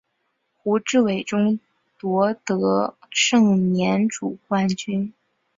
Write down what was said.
胡志伟中夺得盛年组冠军。